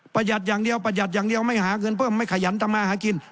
ประหยัดอย่างเดียวประหยัดอย่างเดียวไม่หาเงินเพิ่มไม่ขยันทำมาหากิน